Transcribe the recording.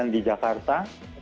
sembilan di jakarta